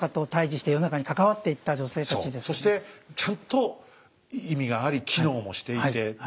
そうそしてちゃんと意味があり機能もしていてっていうね。